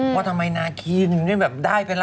ว่าทำไมนาคินได้แบบได้ไปล่ะ